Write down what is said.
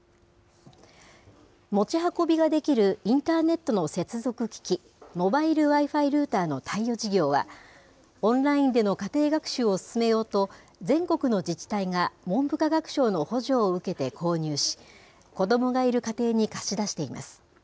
持ち運びができるインターネットの接続機器、モバイルＷｉ−Ｆｉルーターの貸与事業は、オンラインでの家庭学習を進めようと、全国の自治体が文部科学省の補助を受けて購入し、子どもがいる家庭に貸し出しています。